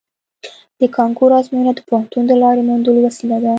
د کانکور ازموینه د پوهنتون د لارې موندلو وسیله ده